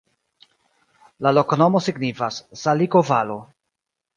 La loknomo signifas: saliko-valo.